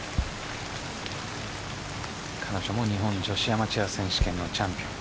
彼女も日本女子アマチュア選手権のチャンピオン。